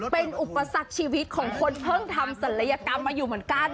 เป็นอุปสรรคชีวิตของคนเพิ่งทำศัลยกรรมมาอยู่เหมือนกัน